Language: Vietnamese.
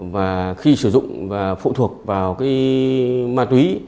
và khi sử dụng và phụ thuộc vào ma túy